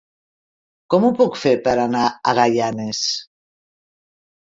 Com ho puc fer per anar a Gaianes?